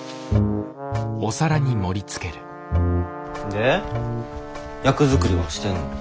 で役作りはしてんの？